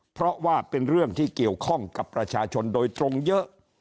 เพราะว่าเป็นเรื่องที่เกี่ยวข้องกับประชาชนโดยตรงเยอะ